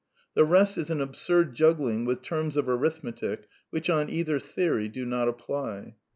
The rest is an absurd juggling with terms of arithmetic which, on either theory, do not apply.